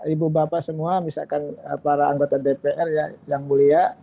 ibu bapak semua misalkan para anggota dpr ya yang mulia